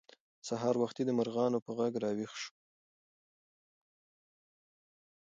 سهار وختي د مرغانو په غږ راویښ شوو.